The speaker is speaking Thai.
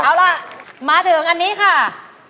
เอาล่ะมาถึงอันนี้ค่ะ